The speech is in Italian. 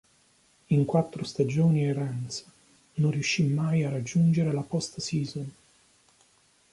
In quattro stagioni ai Rams non riuscì mai a raggiungere la post season.